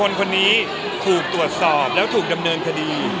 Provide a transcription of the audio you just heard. คนนี้ถูกตรวจสอบแล้วถูกดำเนินคดี